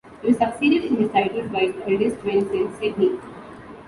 He was succeeded in his titles by his eldest twin son, Sydney.